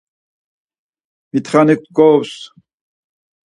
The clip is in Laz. Mitxanik gorups.